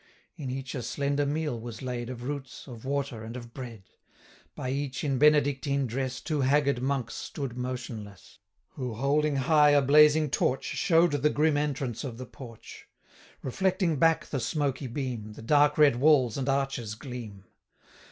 In each a slender meal was laid, 440 Of roots, of water, and of bread: By each, in Benedictine dress, Two haggard monks stood motionless; Who, holding high a blazing torch, Show'd the grim entrance of the porch: 445 Reflecting back the smoky beam, The dark red walls and arches gleam.